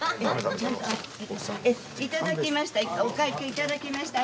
いただきました。